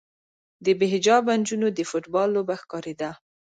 د بې حجابه نجونو د فوټبال لوبه ښکارېده.